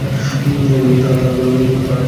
তারা পরাভূত হল ও অপদস্থ হল।